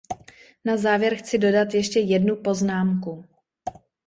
Na závěr chci dodat ještě jednu poznámku.